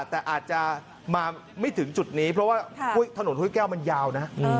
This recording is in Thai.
แต่อาจจะมาไม่ถึงจุดนี้เพราะว่าถนนห้วยแก้วมันยาวนะ